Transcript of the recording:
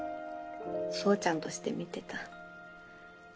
そうちゃんとして見てた。